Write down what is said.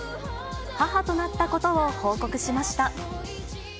母となったことを報告しました。